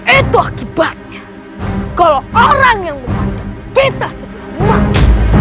itu akibatnya kalau orang yang memandu kita sebelah mata